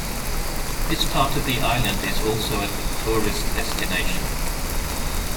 This part of the island is also a tourist destination.